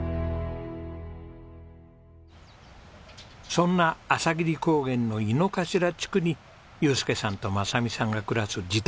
そんな朝霧高原の猪之頭地区に祐介さんと昌美さんが暮らす自宅があります。